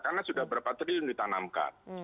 karena sudah berapa triliun ditanamkan